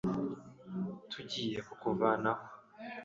Tugiye kukuvana aho.